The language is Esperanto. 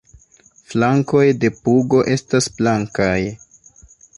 Flankoj de pugo estas blankaj.